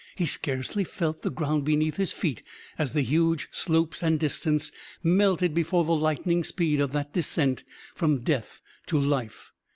He scarcely felt the ground beneath his feet as the huge slopes and distance melted before the lightning speed of that descent from death to life.